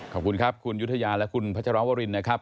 ขอบคุณครับคุณยุธยาและคุณพัชรวรินนะครับ